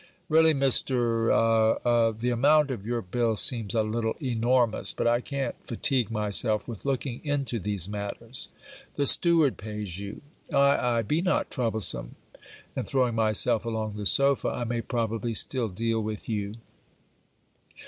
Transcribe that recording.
'Really Mr. a a the amount of your bill seems a little enormous, but I can't fatigue myself with looking into these matters the steward pays you, Ay, ay, be not troublesome, and (throwing myself along the sopha) I may probably still deal with you.